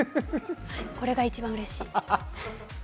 これが一番うれしい。